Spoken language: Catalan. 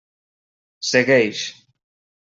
Segueix.